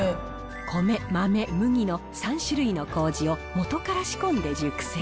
米、豆、麦の３種類のこうじを元から仕込んで熟成。